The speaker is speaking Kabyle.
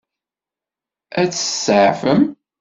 Ad t-tseɛfem?